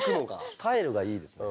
スタイルがいいですね。